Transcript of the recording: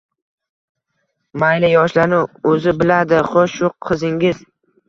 — Mayli, yoshlarni o‘zi biladi. Xo‘sh, shu qizingiz?